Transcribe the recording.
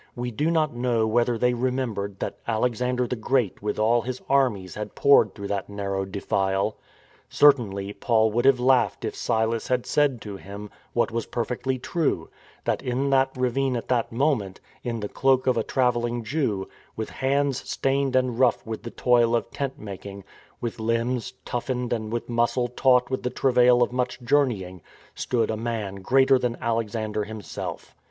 We do not know whether they remembered that Alexander the Great with all his FINDING A SON 173 armies had poured through that narrow defile. Cer tainly Paul would have laughed if Silas had said to him, what was perfectly true; that in that ravine at that moment, in the cloak of a travelling Jew, with hands stained and rough with the toil of tent making, with limbs toughened and with muscle taut with the travail of much journeying, stood a man greater than Alexander himself.